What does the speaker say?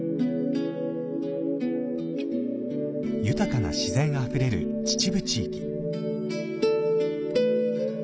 豊かな自然あふれる秩父地域。